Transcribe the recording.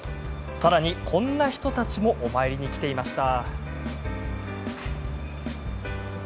さらに、こんな人たちもお参りに来ていました。